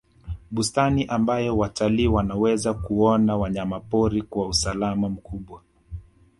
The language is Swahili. bustani ambayo watalii wanaweza kuwaona wanyamapori kwa usalama mkubwa